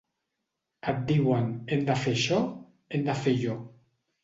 Et diuen “hem de fer això, hem de fer allò”.